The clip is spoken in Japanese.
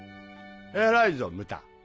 偉いぞムタ。